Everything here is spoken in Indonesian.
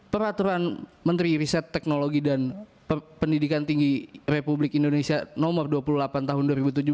peraturan menteri riset teknologi dan pendidikan tinggi republik indonesia nomor dua puluh delapan tahun dua ribu tujuh belas